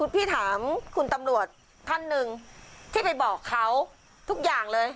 พี่ถามคุณตำรวจท่านหนึ่งที่ไปบอกเขาทุกอย่างเลย